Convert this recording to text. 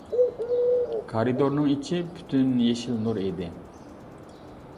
كارىدورنىڭ ئىچى پۈتۈن يېشىل نۇر ئىدى.